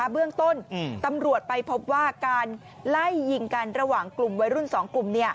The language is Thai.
เบื้องต้นตำรวจไปพบว่าการไล่ยิงกันระหว่างกลุ่มวัยรุ่น๒กลุ่ม